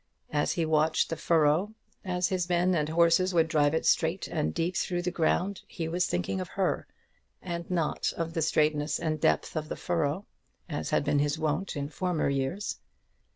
As he watched the furrow, as his men and horses would drive it straight and deep through the ground, he was thinking of her, and not of the straightness and depth of the furrow, as had been his wont in former years.